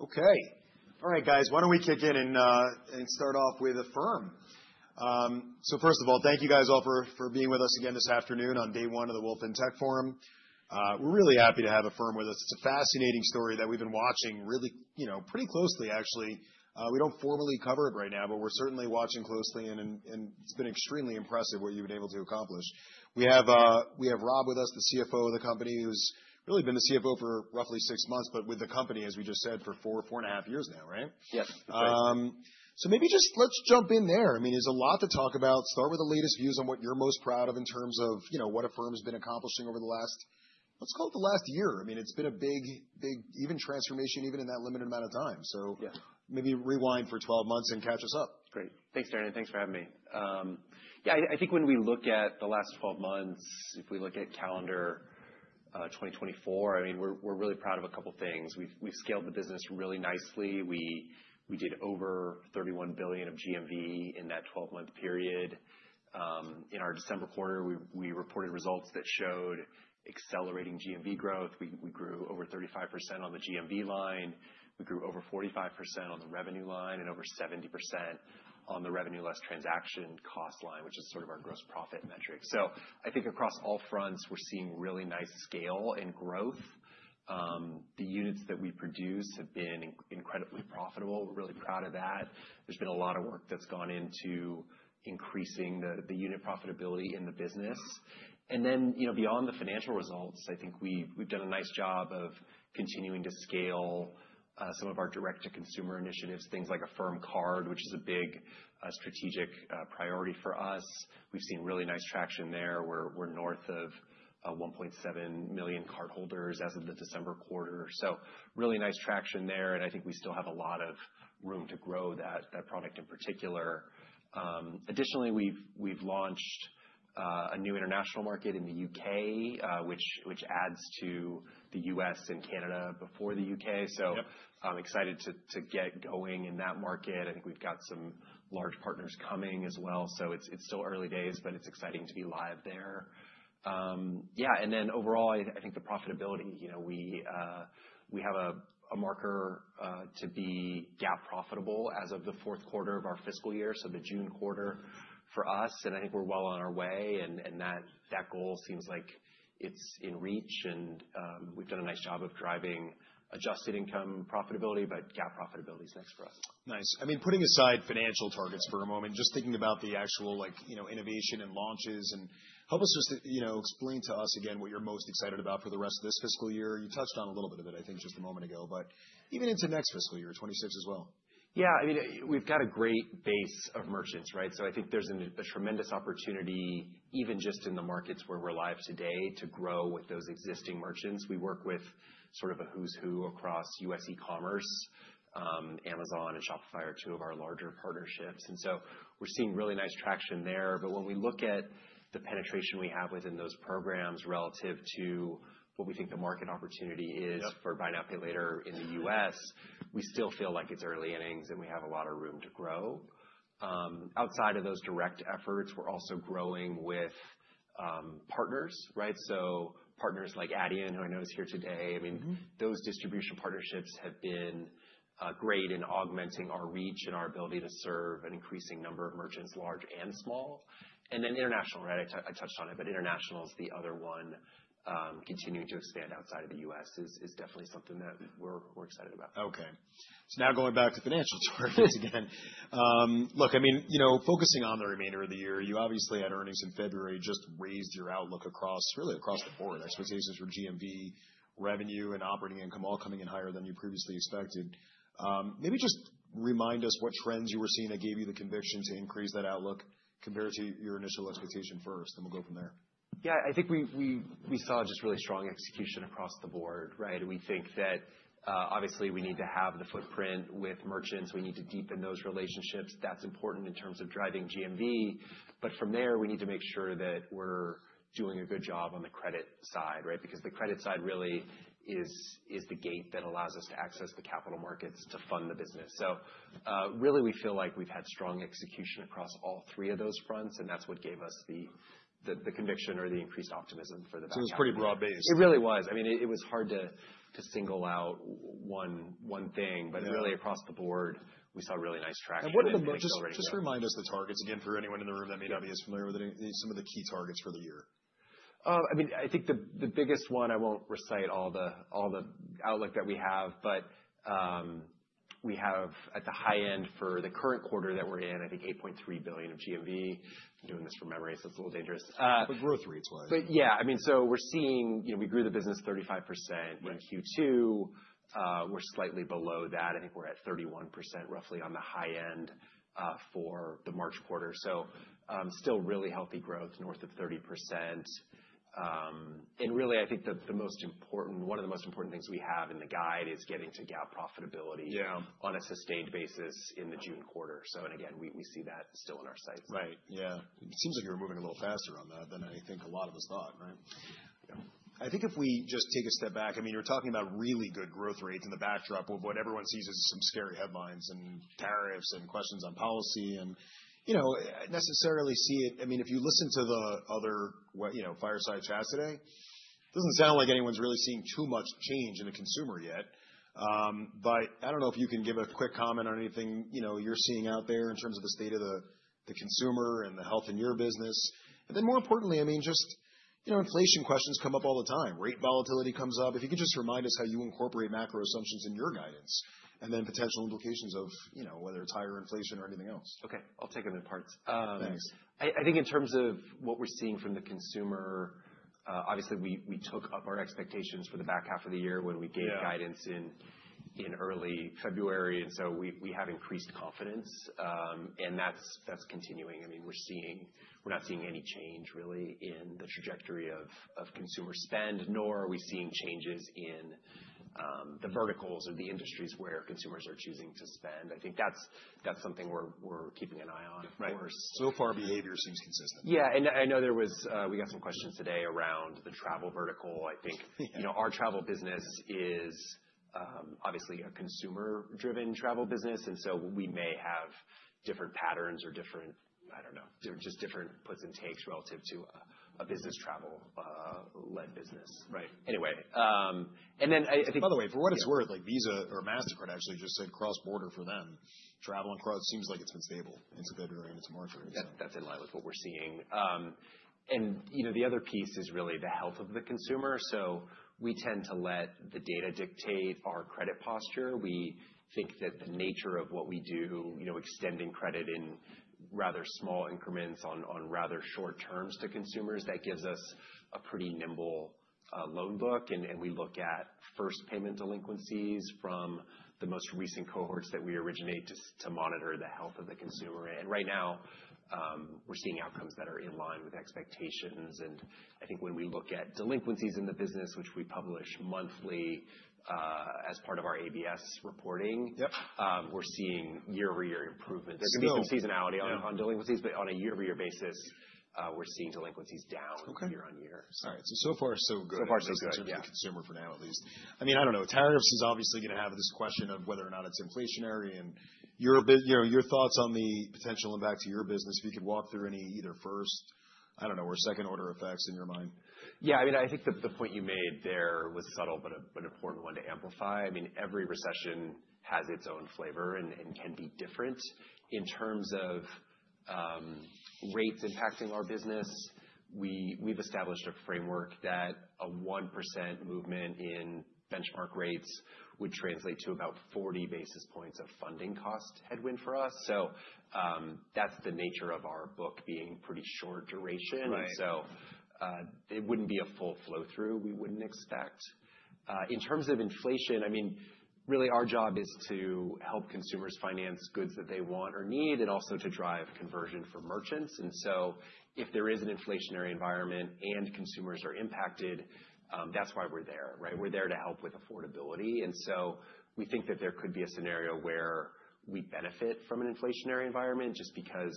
Okay. All right, guys, why don't we kick in and start off with Affirm. So first of all, thank you guys all for being with us again this afternoon on day one of the Wolfe FinTech Forum. We're really happy to have Affirm with us. It's a fascinating story that we've been watching really pretty closely, actually. We don't formally cover it right now, but we're certainly watching closely, and it's been extremely impressive what you've been able to accomplish. We have Rob with us, the CFO of the company, who's really been the CFO for roughly six months, but with the company, as we just said, for four and a half years now, right? Yes, that's right. So, maybe just let's jump in there. I mean, there's a lot to talk about. Start with the latest views on what you're most proud of in terms of what Affirm has been accomplishing over the last, let's call it, the last year. I mean, it's been a big, big, even transformation, even in that limited amount of time. So, maybe rewind for 12 months and catch us up. Great. Thanks, Darrin. Thanks for having me. Yeah, I think when we look at the last 12 months, if we look at calendar 2024, I mean, we're really proud of a couple of things. We've scaled the business really nicely. We did over $31 billion of GMV in that 12-month period. In our December quarter, we reported results that showed accelerating GMV growth. We grew over 35% on the GMV line. We grew over 45% on the revenue line and over 70% on the revenue less transaction costs line, which is sort of our gross profit metric. So I think across all fronts, we're seeing really nice scale and growth. The units that we produce have been incredibly profitable. We're really proud of that. There's been a lot of work that's gone into increasing the unit profitability in the business. And then beyond the financial results, I think we've done a nice job of continuing to scale some of our direct-to-consumer initiatives, things like Affirm Card, which is a big strategic priority for us. We've seen really nice traction there. We're north of 1.7 million cardholders as of the December quarter. So really nice traction there, and I think we still have a lot of room to grow that product in particular. Additionally, we've launched a new international market in the U.K., which adds to the U.S. and Canada before the U.K. So I'm excited to get going in that market. I think we've got some large partners coming as well. So it's still early days, but it's exciting to be live there. Yeah, and then overall, I think the profitability. We have a marker to be GAAP profitable as of the fourth quarter of our fiscal year, so the June quarter for us, and I think we're well on our way, and that goal seems like it's in reach, and we've done a nice job of driving adjusted income profitability, but GAAP profitability is next for us. Nice. I mean, putting aside financial targets for a moment, just thinking about the actual innovation and launches, and help us just explain to us again what you're most excited about for the rest of this fiscal year. You touched on a little bit of it, I think, just a moment ago, but even into next fiscal year, 2026 as well. Yeah, I mean, we've got a great base of merchants, right? So I think there's a tremendous opportunity, even just in the markets where we're live today, to grow with those existing merchants. We work with sort of a who's who across U.S. e-commerce. Amazon and Shopify are two of our larger partnerships. And so we're seeing really nice traction there. But when we look at the penetration we have within those programs relative to what we think the market opportunity is for buy now, pay later in the U.S., we still feel like it's early innings and we have a lot of room to grow. Outside of those direct efforts, we're also growing with partners, right? So partners like Adyen, who I know is here today. I mean, those distribution partnerships have been great in augmenting our reach and our ability to serve an increasing number of merchants, large and small, and then international, right? I touched on it, but international is the other one. Continuing to expand outside of the U.S. is definitely something that we're excited about. Okay. So now going back to financial targets again. Look, I mean, focusing on the remainder of the year, you obviously had earnings in February just raised your outlook really across the board. Expectations for GMV, revenue, and operating income all coming in higher than you previously expected. Maybe just remind us what trends you were seeing that gave you the conviction to increase that outlook compared to your initial expectation first, and we'll go from there. Yeah, I think we saw just really strong execution across the board, right? We think that obviously we need to have the footprint with merchants. We need to deepen those relationships. That's important in terms of driving GMV. But from there, we need to make sure that we're doing a good job on the credit side, right? Because the credit side really is the gate that allows us to access the capital markets to fund the business. So really, we feel like we've had strong execution across all three of those fronts, and that's what gave us the conviction or the increased optimism for the back-end. So it was pretty broad-based. It really was. I mean, it was hard to single out one thing, but really across the board, we saw really nice traction. What are the merchants? Just remind us the targets again for anyone in the room that may not be as familiar with some of the key targets for the year. I mean, I think the biggest one, I won't recite all the outlook that we have, but we have at the high end for the current quarter that we're in, I think $8.3 billion of GMV. I'm doing this from memory so it's a little dangerous. But growth rates-wise. But yeah, I mean, so we're seeing, we grew the business 35% in Q2. We're slightly below that. I think we're at 31% roughly on the high end for the March quarter. So still really healthy growth north of 30%. And really, I think that one of the most important things we have in the guide is getting to GAAP profitability on a sustained basis in the June quarter. So again, we see that still in our sights. Right. Yeah. It seems like you're moving a little faster on that than I think a lot of us thought, right? I think if we just take a step back, I mean, you're talking about really good growth rates in the backdrop of what everyone sees as some scary headlines and tariffs and questions on policy and necessarily see it. I mean, if you listen to the other fireside chats today, it doesn't sound like anyone's really seeing too much change in the consumer yet. But I don't know if you can give a quick comment on anything you're seeing out there in terms of the state of the consumer and the health in your business. And then more importantly, I mean, just inflation questions come up all the time. Rate volatility comes up. If you could just remind us how you incorporate macro assumptions in your guidance and then potential implications of whether it's higher inflation or anything else? Okay. I'll take it in parts. Thanks. I think in terms of what we're seeing from the consumer, obviously we took up our expectations for the back half of the year when we gave guidance in early February, and so we have increased confidence, and that's continuing. I mean, we're not seeing any change really in the trajectory of consumer spend, nor are we seeing changes in the verticals or the industries where consumers are choosing to spend. I think that's something we're keeping an eye on. So far behavior seems consistent. Yeah. And I know we got some questions today around the travel vertical. I think our travel business is obviously a consumer-driven travel business, and so we may have different patterns or different, I don't know, just different puts and takes relative to a business travel-led business. Anyway, and then I think. By the way, for what it's worth, Visa or Mastercard actually just said cross-border for them, travel and card seems like it's been stable into February and into March. That's in line with what we're seeing, and the other piece is really the health of the consumer. We tend to let the data dictate our credit posture. We think that the nature of what we do, extending credit in rather small increments on rather short terms to consumers, gives us a pretty nimble loan book, and we look at first payment delinquencies from the most recent cohorts that we originate to monitor the health of the consumer. Right now, we're seeing outcomes that are in line with expectations, and I think when we look at delinquencies in the business, which we publish monthly as part of our ABS reporting, we're seeing year-over-year improvements. There can be some seasonality on delinquencies, but on a year-over-year basis, we're seeing delinquencies down year on year. All right. So so far so good. So far so good. In terms of the consumer for now at least. I mean, I don't know. Tariffs is obviously going to have this question of whether or not it's inflationary. And your thoughts on the potential impact to your business, if you could walk through any either first, I don't know, or second order effects in your mind. Yeah. I mean, I think the point you made there was subtle, but an important one to amplify. I mean, every recession has its own flavor and can be different. In terms of rates impacting our business, we've established a framework that a 1% movement in benchmark rates would translate to about 40 basis points of funding cost headwind for us. So that's the nature of our book being pretty short duration. So it wouldn't be a full flow-through. We wouldn't expect. In terms of inflation, I mean, really our job is to help consumers finance goods that they want or need and also to drive conversion for merchants. And so if there is an inflationary environment and consumers are impacted, that's why we're there, right? We're there to help with affordability. We think that there could be a scenario where we benefit from an inflationary environment just because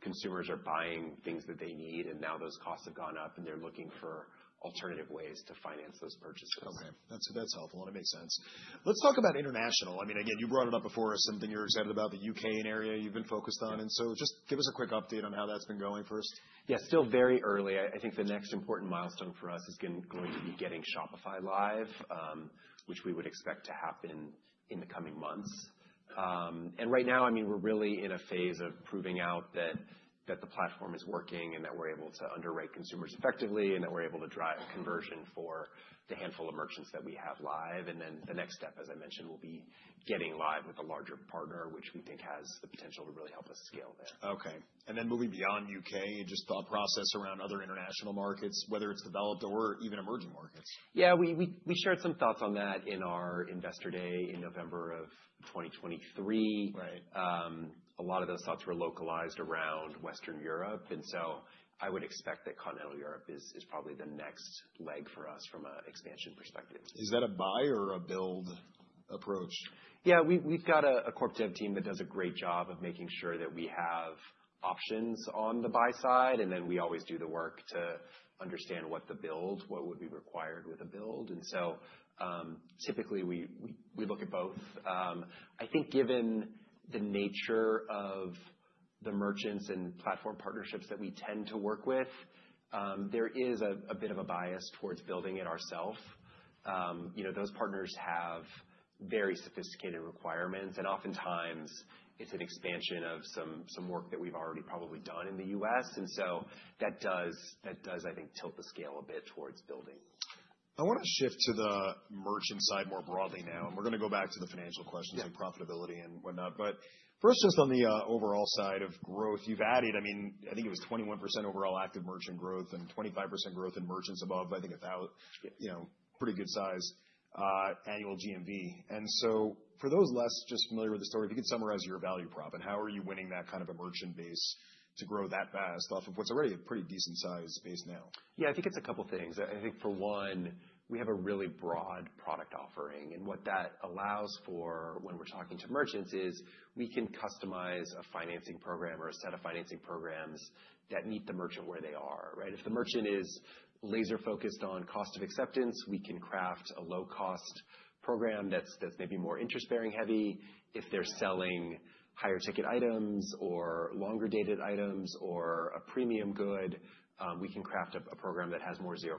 consumers are buying things that they need and now those costs have gone up and they're looking for alternative ways to finance those purchases. Okay. That's helpful. That makes sense. Let's talk about international. I mean, again, you brought it up before as something you're excited about, the U.K. and area you've been focused on. And so just give us a quick update on how that's been going first. Yeah. Still very early. I think the next important milestone for us is going to be getting Shopify live, which we would expect to happen in the coming months. And right now, I mean, we're really in a phase of proving out that the platform is working and that we're able to underwrite consumers effectively and that we're able to drive conversion for the handful of merchants that we have live. And then the next step, as I mentioned, will be getting live with a larger partner, which we think has the potential to really help us scale there. Okay. And then moving beyond U.K., just thought process around other international markets, whether it's developed or even emerging markets? Yeah. We shared some thoughts on that in our investor day in November of 2023. A lot of those thoughts were localized around Western Europe. And so I would expect that Continental Europe is probably the next leg for us from an expansion perspective. Is that a buy or a build approach? Yeah. We've got a corporate dev team that does a great job of making sure that we have options on the buy side, and then we always do the work to understand what the build, what would be required with a build. And so typically we look at both. I think given the nature of the merchants and platform partnerships that we tend to work with, there is a bit of a bias towards building it ourself. Those partners have very sophisticated requirements, and oftentimes it's an expansion of some work that we've already probably done in the U.S. And so that does, I think, tilt the scale a bit towards building. I want to shift to the merchant side more broadly now, and we're going to go back to the financial questions and profitability and whatnot. But first, just on the overall side of growth, you've added, I mean, I think it was 21% overall active merchant growth and 25% growth in merchants above, I think, a pretty good size annual GMV. And so for those less just familiar with the story, if you could summarize your value prop and how are you winning that kind of a merchant base to grow that fast off of what's already a pretty decent size base now? Yeah. I think it's a couple of things. I think for one, we have a really broad product offering. And what that allows for when we're talking to merchants is we can customize a financing program or a set of financing programs that meet the merchant where they are, right? If the merchant is laser-focused on cost of acceptance, we can craft a low-cost program that's maybe more interest-bearing heavy. If they're selling higher ticket items or longer dated items or a premium good, we can craft a program that has more 0%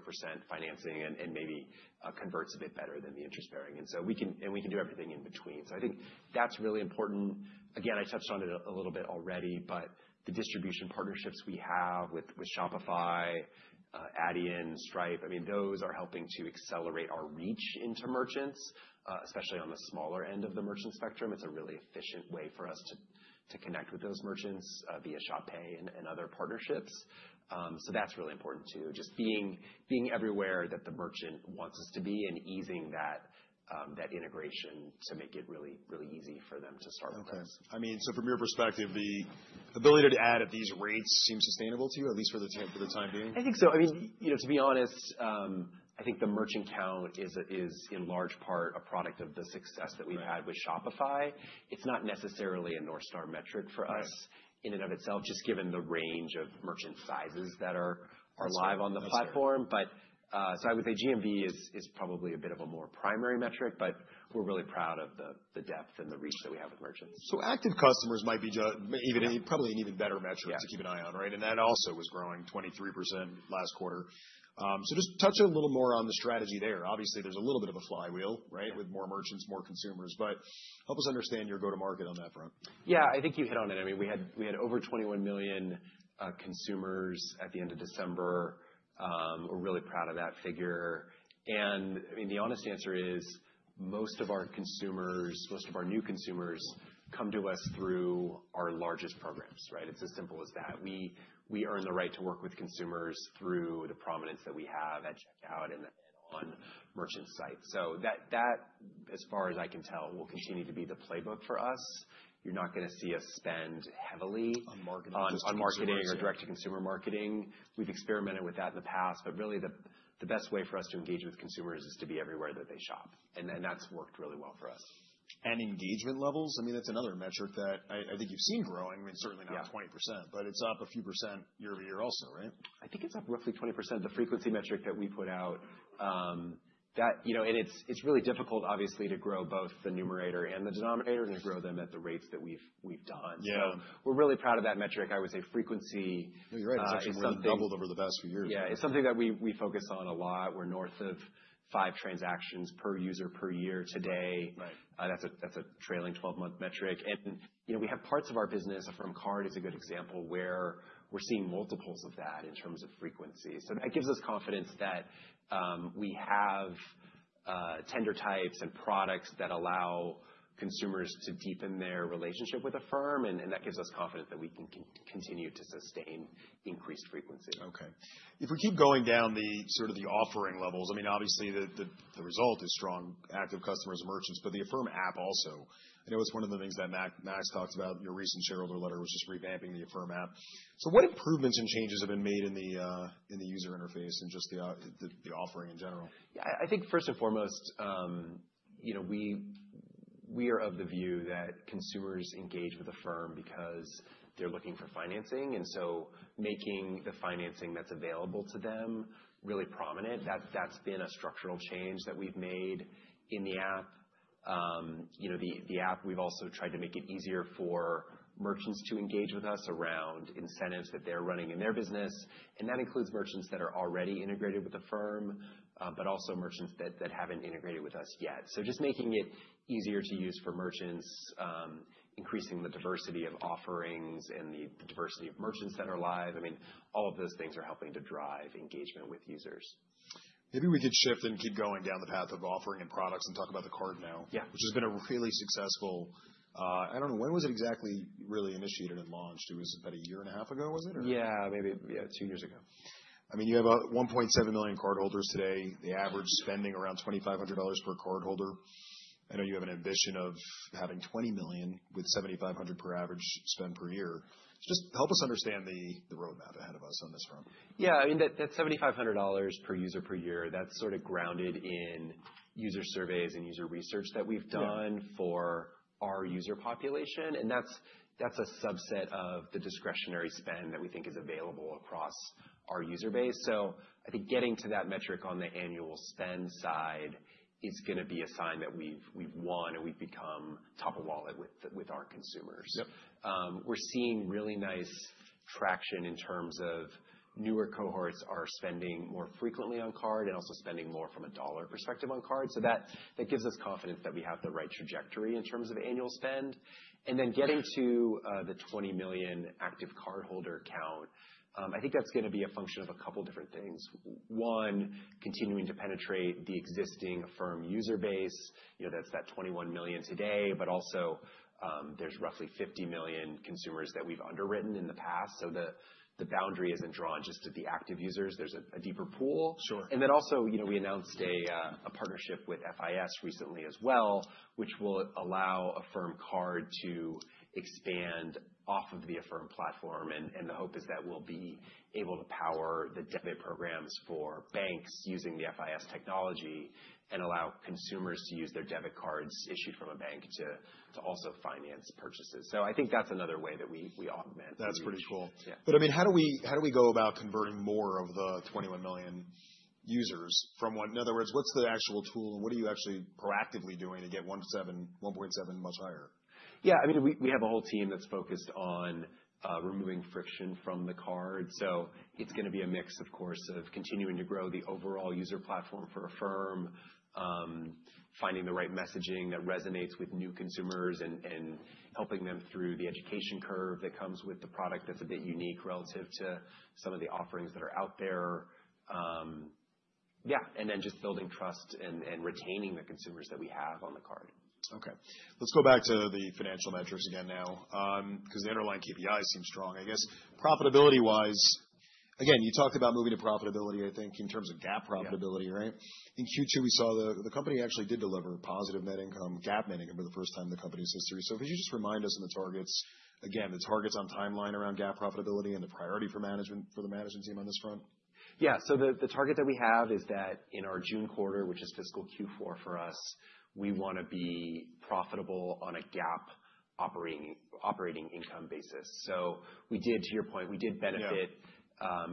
financing and maybe converts a bit better than the interest-bearing. And so we can do everything in between. So I think that's really important. Again, I touched on it a little bit already, but the distribution partnerships we have with Shopify, Adyen, Stripe, I mean, those are helping to accelerate our reach into merchants, especially on the smaller end of the merchant spectrum. It's a really efficient way for us to connect with those merchants via Shop Pay and other partnerships. So that's really important too. Just being everywhere that the merchant wants us to be and easing that integration to make it really easy for them to start with us. Okay. I mean, so from your perspective, the ability to add at these rates seems sustainable to you, at least for the time being? I think so. I mean, to be honest, I think the merchant count is in large part a product of the success that we've had with Shopify. It's not necessarily a North Star metric for us in and of itself, just given the range of merchant sizes that are live on the platform. But so I would say GMV is probably a bit of a more primary metric, but we're really proud of the depth and the reach that we have with merchants. So active customers might be probably an even better metric to keep an eye on, right? And that also was growing 23% last quarter. So just touch a little more on the strategy there. Obviously, there's a little bit of a flywheel, right, with more merchants, more consumers, but help us understand your go-to-market on that front. Yeah. I think you hit on it. I mean, we had over 21 million consumers at the end of December. We're really proud of that figure, and I mean, the honest answer is most of our consumers, most of our new consumers come to us through our largest programs, right? It's as simple as that. We earn the right to work with consumers through the prominence that we have at checkout and on merchant sites, so that, as far as I can tell, will continue to be the playbook for us. You're not going to see us spend heavily on marketing or direct-to-consumer marketing. We've experimented with that in the past, but really the best way for us to engage with consumers is to be everywhere that they shop, and that's worked really well for us. Engagement levels, I mean, that's another metric that I think you've seen growing. I mean, certainly not 20%, but it's up a few% year-over-year also, right? I think it's up roughly 20% of the frequency metric that we put out, and it's really difficult, obviously, to grow both the numerator and the denominator and to grow them at the rates that we've done, so we're really proud of that metric. I would say frequency is something. No, you're right. It's actually more than doubled over the past few years. Yeah. It's something that we focus on a lot. We're north of five transactions per user per year today. That's a trailing 12-month metric, and we have parts of our business. Affirm Card is a good example, where we're seeing multiples of that in terms of frequency. So that gives us confidence that we have tender types and products that allow consumers to deepen their relationship with Affirm, and that gives us confidence that we can continue to sustain increased frequency. Okay. If we keep going down sort of the offering levels, I mean, obviously the result is strong active customers and merchants, but the Affirm app also. I know it's one of the things that Max talked about. Your recent shareholder letter was just revamping the Affirm app. So what improvements and changes have been made in the user interface and just the offering in general? Yeah. I think first and foremost, we are of the view that consumers engage with Affirm because they're looking for financing. And so making the financing that's available to them really prominent, that's been a structural change that we've made in the app. The app, we've also tried to make it easier for merchants to engage with us around incentives that they're running in their business. And that includes merchants that are already integrated with the firm, but also merchants that haven't integrated with us yet. So just making it easier to use for merchants, increasing the diversity of offerings and the diversity of merchants that are live. I mean, all of those things are helping to drive engagement with users. Maybe we could shift and keep going down the path of offering and products and talk about the card now, which has been a really successful. I don't know, when was it exactly really initiated and launched? It was about a year and a half ago, was it? Yeah. Maybe, yeah, two years ago. I mean, you have 1.7 million cardholders today. The average spending around $2,500 per cardholder. I know you have an ambition of having 20 million with $7,500 per average spend per year. Just help us understand the roadmap ahead of us on this front. Yeah. I mean, that $7,500 per user per year, that's sort of grounded in user surveys and user research that we've done for our user population, and that's a subset of the discretionary spend that we think is available across our user base, so I think getting to that metric on the annual spend side is going to be a sign that we've won and we've become top of wallet with our consumers. We're seeing really nice traction in terms of newer cohorts are spending more frequently on card and also spending more from a dollar perspective on card, so that gives us confidence that we have the right trajectory in terms of annual spend, and then getting to the 20 million active cardholder count, I think that's going to be a function of a couple of different things. One, continuing to penetrate the existing Affirm user base. That's the 21 million today, but also there's roughly 50 million consumers that we've underwritten in the past. So the boundary isn't drawn just to the active users. There's a deeper pool. And then also we announced a partnership with FIS recently as well, which will allow Affirm Card to expand off of the Affirm platform. And the hope is that we'll be able to power the debit programs for banks using the FIS technology and allow consumers to use their debit cards issued from a bank to also finance purchases. So I think that's another way that we augment. That's pretty cool. But I mean, how do we go about converting more of the 21 million users from one? In other words, what's the actual tool and what are you actually proactively doing to get 1.7 much higher? Yeah. I mean, we have a whole team that's focused on removing friction from the card. So it's going to be a mix, of course, of continuing to grow the overall user platform for Affirm, finding the right messaging that resonates with new consumers and helping them through the education curve that comes with the product that's a bit unique relative to some of the offerings that are out there. Yeah. And then just building trust and retaining the consumers that we have on the card. Okay. Let's go back to the financial metrics again now because the underlying KPIs seem strong. I guess profitability-wise, again, you talked about moving to profitability, I think, in terms of GAAP profitability, right? In Q2, we saw the company actually did deliver positive net income, GAAP net income for the first time in the company's history. So could you just remind us on the targets, again, the targets on timeline around GAAP profitability and the priority for management for the management team on this front? Yeah. So the target that we have is that in our June quarter, which is fiscal Q4 for us, we want to be profitable on a GAAP operating income basis. So we did, to your point, we did benefit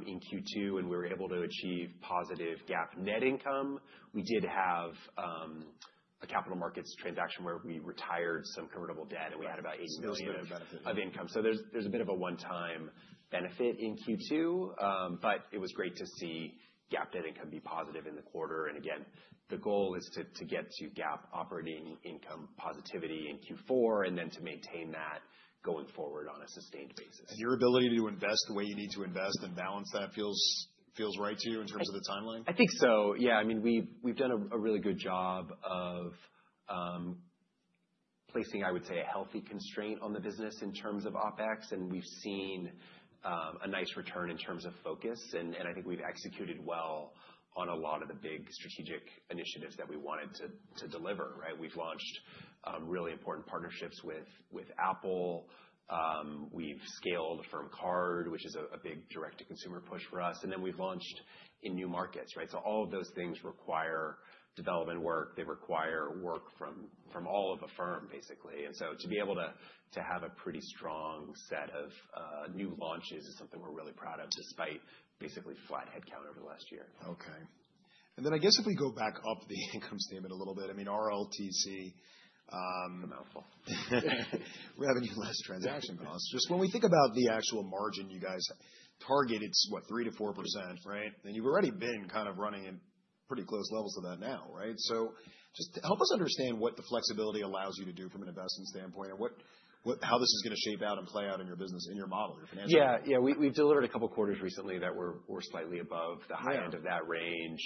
in Q2 and we were able to achieve positive GAAP net income. We did have a capital markets transaction where we retired some convertible debt and we had about $80 million of income. So there's a bit of a one-time benefit in Q2, but it was great to see GAAP net income be positive in the quarter. And again, the goal is to get to GAAP operating income positivity in Q4 and then to maintain that going forward on a sustained basis. Your ability to invest the way you need to invest and balance that feels right to you in terms of the timeline? I think so. Yeah. I mean, we've done a really good job of placing, I would say, a healthy constraint on the business in terms of OpEx, and we've seen a nice return in terms of focus. And I think we've executed well on a lot of the big strategic initiatives that we wanted to deliver, right? We've launched really important partnerships with Apple. We've scaled Affirm Card, which is a big direct-to-consumer push for us. And then we've launched in new markets, right? So all of those things require development work. They require work from all of the firm, basically. And so to be able to have a pretty strong set of new launches is something we're really proud of despite basically flat headcount over the last year. Okay. And then I guess if we go back up the income statement a little bit, I mean, RLTC. A mouthful. Revenue Less Transaction Costs. Just when we think about the actual margin you guys target, it's, what, 3%-4%, right? And you've already been kind of running at pretty close levels of that now, right? So just help us understand what the flexibility allows you to do from an investment standpoint and how this is going to shape out and play out in your business, in your model, your financial. Yeah. Yeah. We've delivered a couple of quarters recently that were slightly above the high end of that range.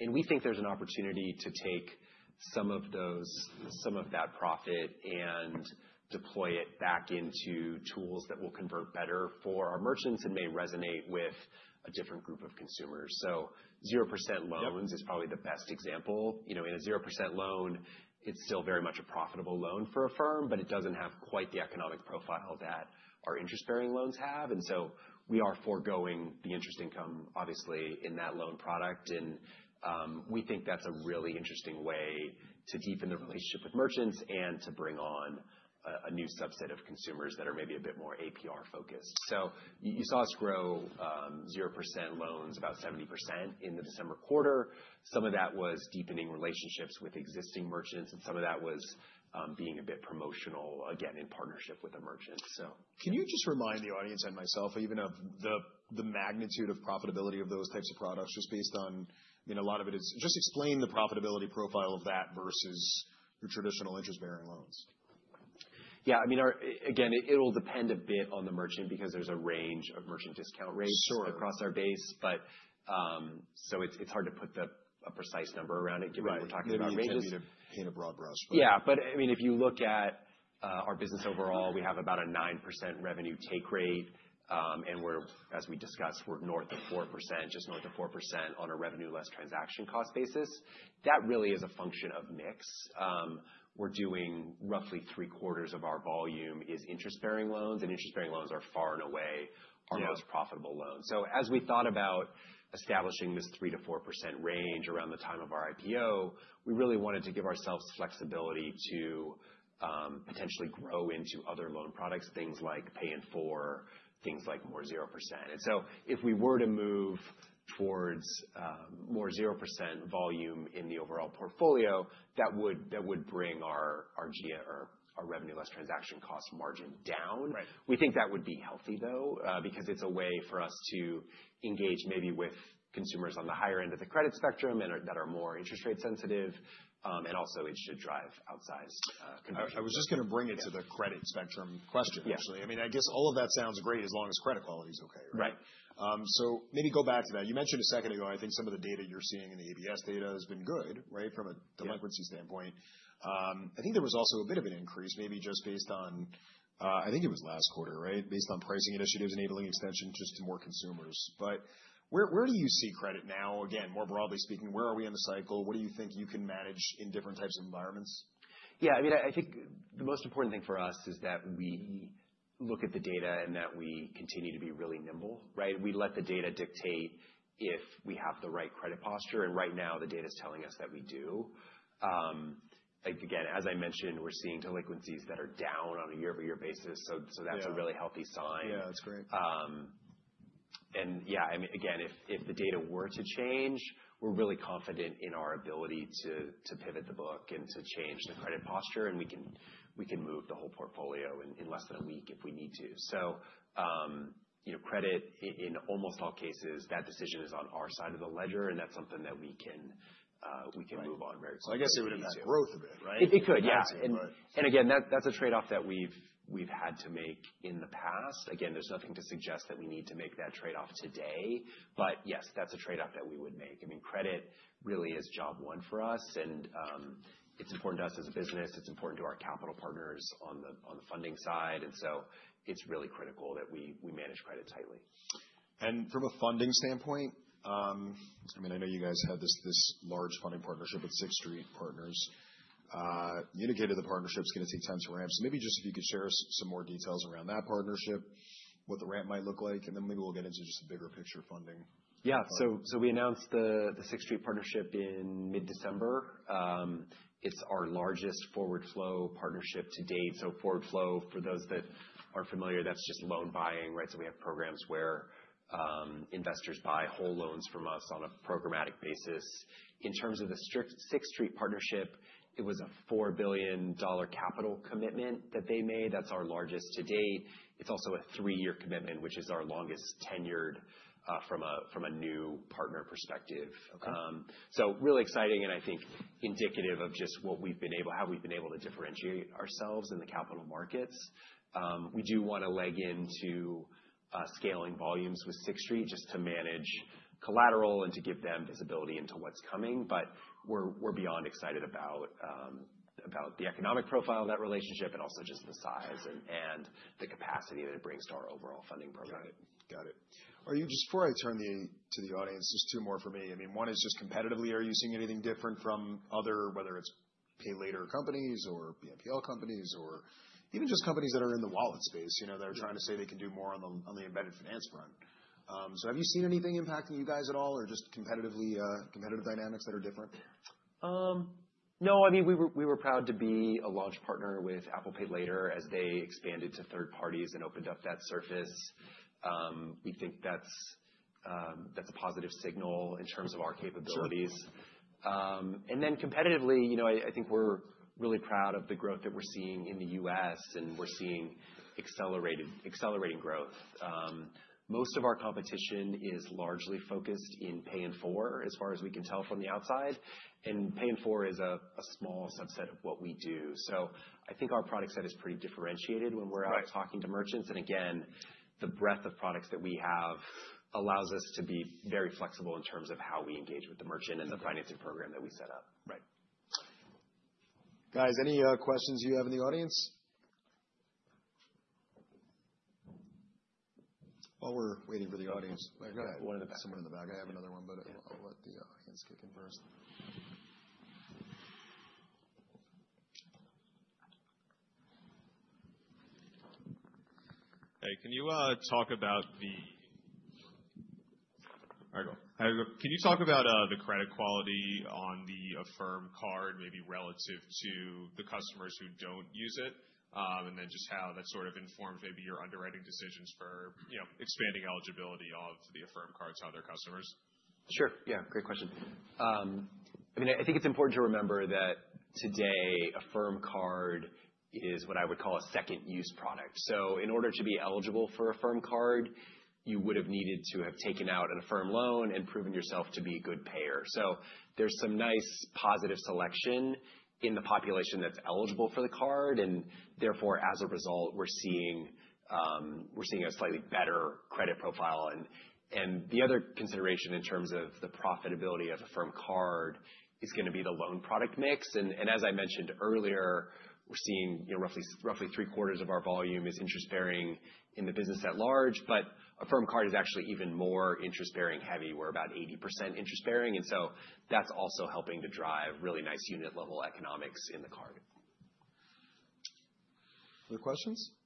And we think there's an opportunity to take some of that profit and deploy it back into tools that will convert better for our merchants and may resonate with a different group of consumers. So 0% loans is probably the best example. In a 0% loan, it's still very much a profitable loan for Affirm, but it doesn't have quite the economic profile that our interest-bearing loans have. And so we are foregoing the interest income, obviously, in that loan product. And we think that's a really interesting way to deepen the relationship with merchants and to bring on a new subset of consumers that are maybe a bit more APR-focused. So you saw us grow 0% loans about 70% in the December quarter. Some of that was deepening relationships with existing merchants, and some of that was being a bit promotional, again, in partnership with a merchant, so. Can you just remind the audience and myself even of the magnitude of profitability of those types of products just based on, I mean, a lot of it is just explain the profitability profile of that versus your traditional interest-bearing loans? Yeah. I mean, again, it'll depend a bit on the merchant because there's a range of merchant discount rates across our base. So it's hard to put a precise number around it given what we're talking about ranges. Right. You just need to paint a broad brush. Yeah. But I mean, if you look at our business overall, we have about a 9% revenue take rate. And as we discussed, we're north of 4%, just north of 4% on a revenue less transaction cost basis. That really is a function of mix. We're doing roughly three-quarters of our volume is interest-bearing loans. And interest-bearing loans are far and away our most profitable loan. So as we thought about establishing this 3%-4% range around the time of our IPO, we really wanted to give ourselves flexibility to potentially grow into other loan products, things like Pay in Full or things like more 0%. And so if we were to move towards more 0% volume in the overall portfolio, that would bring our revenue less transaction cost margin down. We think that would be healthy, though, because it's a way for us to engage maybe with consumers on the higher end of the credit spectrum that are more interest rate sensitive and also interested to drive outsized conversions. I was just going to bring it to the credit spectrum question, actually. I mean, I guess all of that sounds great as long as credit quality is okay, right? Right. So maybe go back to that. You mentioned a second ago, I think some of the data you're seeing in the ABS data has been good, right, from a delinquency standpoint. I think there was also a bit of an increase, maybe just based on, I think it was last quarter, right, based on pricing initiatives enabling extension just to more consumers. But where do you see credit now? Again, more broadly speaking, where are we in the cycle? What do you think you can manage in different types of environments? Yeah. I mean, I think the most important thing for us is that we look at the data and that we continue to be really nimble, right? We let the data dictate if we have the right credit posture, and right now, the data is telling us that we do. Again, as I mentioned, we're seeing delinquencies that are down on a year-over-year basis, so that's a really healthy sign. Yeah. That's great. And yeah, I mean, again, if the data were to change, we're really confident in our ability to pivot the book and to change the credit posture. And we can move the whole portfolio in less than a week if we need to. So credit, in almost all cases, that decision is on our side of the ledger, and that's something that we can move onward. So I guess it would impact growth a bit, right? It could, yes. And again, that's a trade-off that we've had to make in the past. Again, there's nothing to suggest that we need to make that trade-off today. But yes, that's a trade-off that we would make. I mean, credit really is job one for us. And it's important to us as a business. It's important to our capital partners on the funding side. And so it's really critical that we manage credit tightly. And from a funding standpoint, I mean, I know you guys had this large funding partnership with Sixth Street Partners. You indicated the partnership's going to take time to ramp. So maybe just if you could share some more details around that partnership, what the ramp might look like, and then maybe we'll get into just the bigger picture funding. Yeah. So we announced the Sixth Street partnership in mid-December. It's our largest forward flow partnership to date. So forward flow, for those that aren't familiar, that's just loan buying, right? So we have programs where investors buy whole loans from us on a programmatic basis. In terms of the Sixth Street partnership, it was a $4 billion capital commitment that they made. That's our largest to date. It's also a three-year commitment, which is our longest tenured from a new partner perspective. So really exciting and I think indicative of just how we've been able to differentiate ourselves in the capital markets. We do want to leg into scaling volumes with Sixth Street just to manage collateral and to give them visibility into what's coming. But we're beyond excited about the economic profile of that relationship and also just the size and the capacity that it brings to our overall funding program. Got it. Got it. Just before I turn to the audience, just two more for me. I mean, one is just competitively, are you seeing anything different from other, whether it's pay later companies or BNPL companies or even just companies that are in the wallet space that are trying to say they can do more on the embedded finance front? So have you seen anything impacting you guys at all or just competitive dynamics that are different? No. I mean, we were proud to be a launch partner with Apple Pay Later as they expanded to third parties and opened up that surface. We think that's a positive signal in terms of our capabilities. And then competitively, I think we're really proud of the growth that we're seeing in the U.S., and we're seeing accelerating growth. Most of our competition is largely focused in Pay in 4 as far as we can tell from the outside. And Pay in 4 is a small subset of what we do. So I think our product set is pretty differentiated when we're out talking to merchants. And again, the breadth of products that we have allows us to be very flexible in terms of how we engage with the merchant and the financing program that we set up. Right. Guys, any questions you have in the audience? While we're waiting for the audience. I got one somewhere in the back. I have another one, but I'll let the audience kick in first. Hey, can you talk about the credit quality on the Affirm Card, maybe relative to the customers who don't use it, and then just how that sort of informs maybe your underwriting decisions for expanding eligibility of the Affirm Card to other customers? Sure. Yeah. Great question. I mean, I think it's important to remember that today, Affirm Card is what I would call a second-use product. So in order to be eligible for Affirm Card, you would have needed to have taken out an Affirm loan and proven yourself to be a good payer. So there's some nice positive selection in the population that's eligible for the card. And therefore, as a result, we're seeing a slightly better credit profile. And the other consideration in terms of the profitability of Affirm Card is going to be the loan product mix. And as I mentioned earlier, we're seeing roughly three-quarters of our volume is interest-bearing in the business at large. But Affirm Card is actually even more interest-bearing heavy. We're about 80% interest-bearing. And so that's also helping to drive really nice unit-level economics in the card. Other questions? Hi.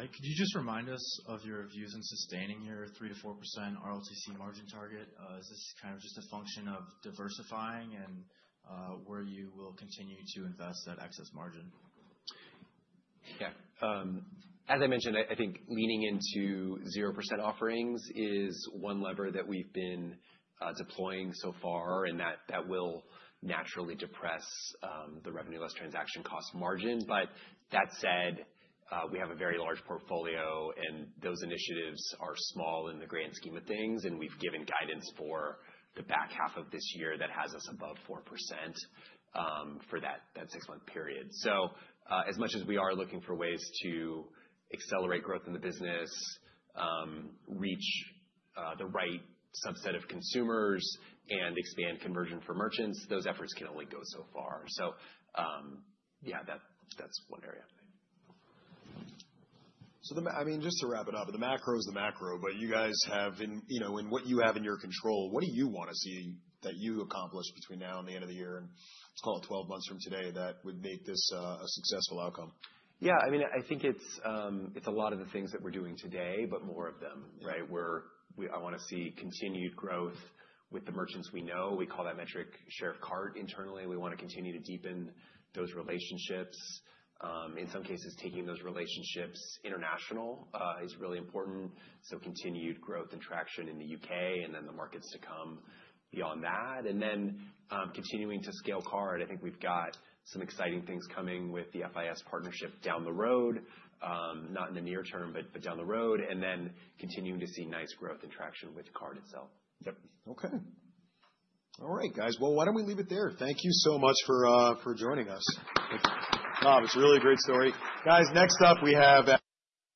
Could you just remind us of your views on sustaining your 3%-4% RLTC margin target? Is this kind of just a function of diversifying and where you will continue to invest that excess margin? Yeah. As I mentioned, I think leaning into 0% offerings is one lever that we've been deploying so far, and that will naturally depress the revenue less transaction cost margin. But that said, we have a very large portfolio, and those initiatives are small in the grand scheme of things. And we've given guidance for the back half of this year that has us above 4% for that six-month period. So as much as we are looking for ways to accelerate growth in the business, reach the right subset of consumers, and expand conversion for merchants, those efforts can only go so far. So yeah, that's one area. So I mean, just to wrap it up, the macro is the macro, but you guys have in what you have in your control, what do you want to see that you accomplish between now and the end of the year and, let's call it, 12 months from today that would make this a successful outcome? Yeah. I mean, I think it's a lot of the things that we're doing today, but more of them, right? I want to see continued growth with the merchants we know. We call that metric Share of Cart internally. We want to continue to deepen those relationships. In some cases, taking those relationships international is really important. So continued growth and traction in the U.K. and then the markets to come beyond that. And then continuing to scale card. I think we've got some exciting things coming with the FIS partnership down the road, not in the near term, but down the road. And then continuing to see nice growth and traction with card itself. Yep. Okay. All right, guys. Well, why don't we leave it there? Thank you so much for joining us. It's really a great story. Guys, next up, we have.